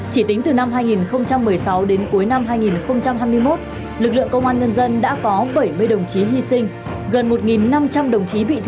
chỉ tính từ năm hai nghìn một mươi sáu đến cuối năm hai nghìn hai mươi một lực lượng công an nhân dân đã có bảy mươi đồng chí hy sinh gần một năm trăm linh đồng chí bị thương hơn ba trăm linh đồng chí bị bệnh